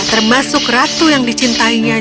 termasuk ratu yang dicintainya